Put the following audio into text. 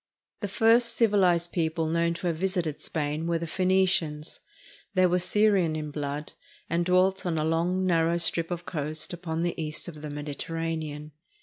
The first civilized people known to have visited Spain were the Phoenicians. They were Syrian in blood, and dwelt on a long, narrow strip of coast upon the east of the Mediterranean.